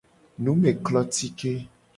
Numeklotike.